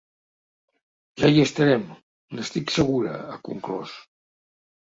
Ja hi estarem, n’estic segura, ha conclòs.